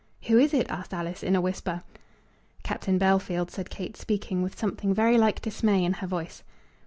"Who is it?" asked Alice, in a whisper. "Captain Bellfield," said Kate, speaking with something very like dismay in her voice.